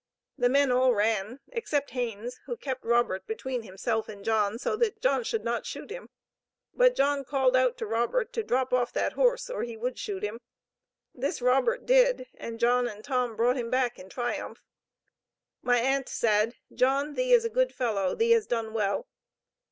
The men all ran except Haines, who kept Robert between himself and John, so that John should not shoot him. But John called out to Robert to drop off that horse, or he would shoot him. This Robert did, and John and Tom brought him back in triumph. My aunt said: "John, thee is a good fellow, thee has done well."